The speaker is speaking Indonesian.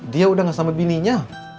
dia udah gak sama bininya